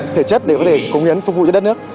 thể chất để có thể cống hiến phục vụ cho đất nước